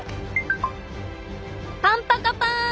パンパカパーン！